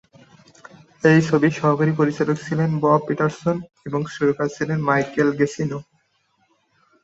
এই ছবির সহকারী-পরিচালক ছিলেন বব পিটারসন এবং সুরকার ছিলেন মাইকেল গেসিনো।